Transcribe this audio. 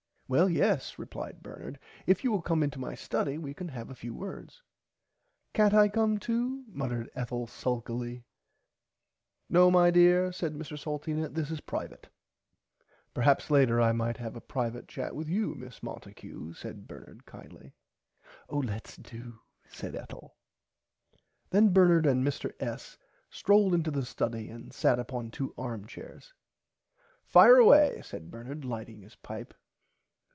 Well yes replied Bernard if you will come into my study we can have a few words. Cant I come too muttered Ethel sulkily. No my dear said Mr Salteena this is privite. Perhaps later I might have a privite chat with you Miss Monticue said Bernard kindly. Oh do lets said Ethel. [Pg 43] Then Bernard and Mr S. strolled to the study and sat upon two arm chairs. Fire away said Bernard lighting his pipe.